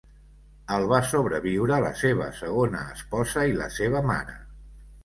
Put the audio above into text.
El va sobreviure la seva segona esposa i la seva mare.